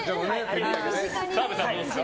澤部さんはどうですか。